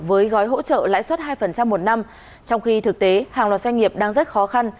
với gói hỗ trợ lãi suất hai một năm trong khi thực tế hàng loạt doanh nghiệp đang rất khó khăn